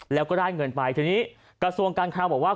แล้วก็ได้เงินไปทีนี้กระทรวงการคลังบอกว่า